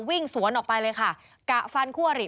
วิ่งสวนออกไปเลยค่ะกะฟันคู่อริ